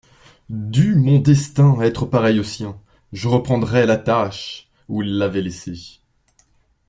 Dût mon destin être pareil au sien, je reprendrais la tâche où il l'avait laissée.